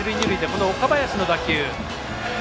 この岡林の打球。